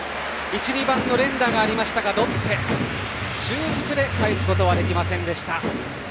１、２番の連打がありましたがロッテ、中軸でかえすことはできませんでした。